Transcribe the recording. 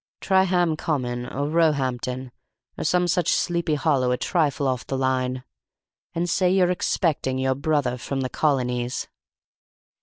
Try Ham Common or Roehampton, or some such sleepy hollow a trifle off the line; and say you're expecting your brother from the colonies."